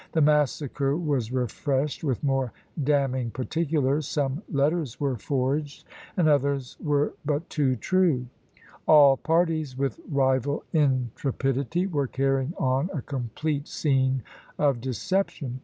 The massacre was refreshed with more damning particulars; some letters were forged, and others were but too true; all parties, with rival intrepidity, were carrying on a complete scene of deception.